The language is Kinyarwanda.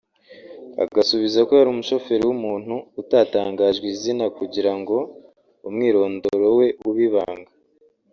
agasubiza ko yari umushoferi w’umuntu utatangajwe izina kugira ngo umwirondoro we ube ibanga